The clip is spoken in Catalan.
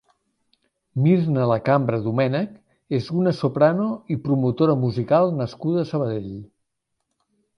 Mirna Lacambra Domènech és una soprano i promotora musical nascuda a Sabadell.